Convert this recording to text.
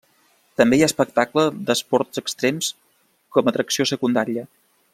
També hi ha espectacle d'esports extrems com a atracció secundària.